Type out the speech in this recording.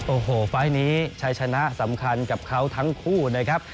โอ้โหไฟล์นี้ชัยชนะสำคัญกับเขาทั้งคู่นะครับ